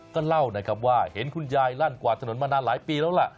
ก็เล่านะครับว่าเห็นคุณยายลั่นกวาดถนนมานานหลายปีแล้วล่ะ